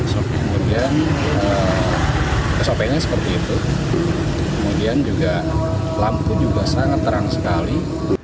sopi kemudian sopenya seperti itu kemudian juga lampu juga sangat terang sekali